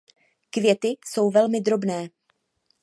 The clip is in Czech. Květy jsou velmi drobné.